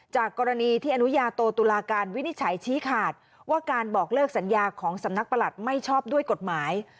จากกรณีที่อนุญาโตตุลาการวินิจฉัยชี้ขาดว่าการบอกเลิกสัญญาของสำนักประหลัดไม่ชอบด้วยกฎหมาย